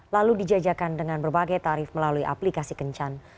lalu dijajakan dengan berbagai tarif melalui aplikasi kencan